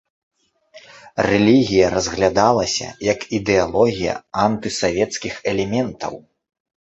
Рэлігія разглядалася як ідэалогія антысавецкіх элементаў.